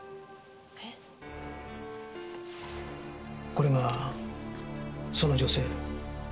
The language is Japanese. これがその女性。